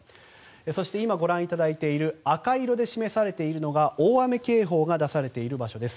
そして今ご覧いただいている赤色で示されているのが大雨警報が出されている場所です。